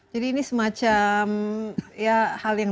jadi ini semacam hal yang